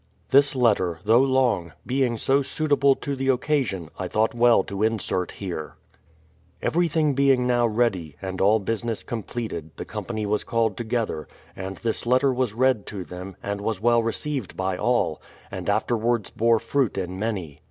This letter, though long, being so suitable to the occasion I thought well to insert here. Everything being now ready, and all business completed the company was called together, and this letter was read to them, and was well received by all, and afterwards bore fruit in many.